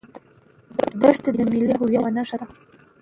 دښتې د ملي هویت یوه نښه ده.